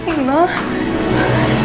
saya seneng banget kamu dateng